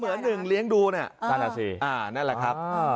เสมือนหนึ่งเลี้ยงดูนั่นแหละครับ